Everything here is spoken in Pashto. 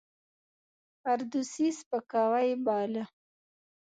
فردوسي سپکاوی باله.